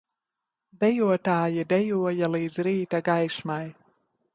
Dejotāji dejoja līdz rīta gaismai